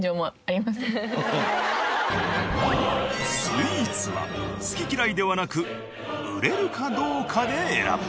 スイーツは好き嫌いではなく売れるかどうかで選ぶ。